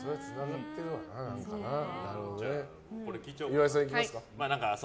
岩井さんいきますか。